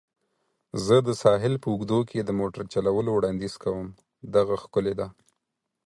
زه د ساحل په اوږدو کې د موټر چلولو وړاندیز کوم. دغه ښکلې ده.